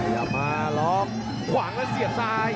เอามาร้องขวางแล้วเสียบซ้าย